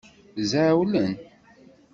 Zɛewlen.